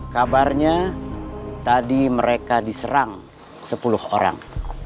kabarnya tadi mereka diserang sepuluh orang